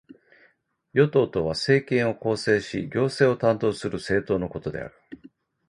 与党とは、政権を構成し行政を担当する政党のことである。